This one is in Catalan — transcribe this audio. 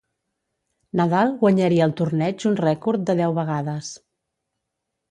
Nadal guanyaria el torneig un rècord de deu vegades.